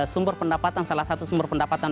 sumber pendapatan salah satu sumber pendapatan